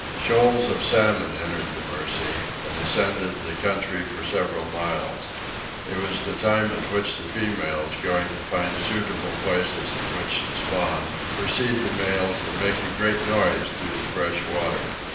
Shoals of salmon entered the Mercy, and ascended the country for several miles. It was the time at which the females, going to find suitable places in which to spawn, precede the males and make a great noise through the fresh water.